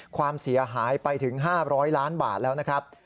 ความเสียหายไปถึง๕๐๐ล้านบาทแล้วนะครับ